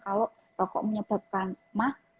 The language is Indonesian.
kalau rokok menyebabkan mah